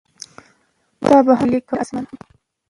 تا به هم ګیلې کولای له اسمانه